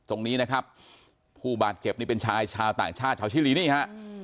ตรงนี้นะครับผู้บาดเจ็บนี่เป็นชายชาวต่างชาติชาวชิลีนี่ฮะ